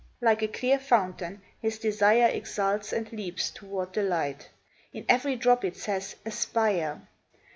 Like a clear fountain, his desire Exults and leaps toward the light, In every drop it says "Aspire!"